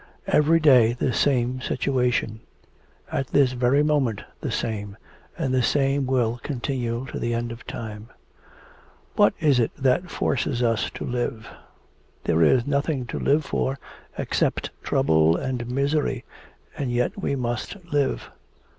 Every day the same situation. At this very moment, the same, and the same will continue till the end of time. What is it that forces us to live? There is nothing to live for except trouble and misery, and yet we must live.